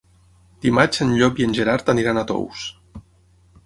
Dimarts en Llop i en Gerard aniran a Tous.